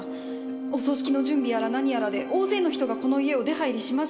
お葬式の準備やら何やらで大勢の人がこの家を出入りしましたから。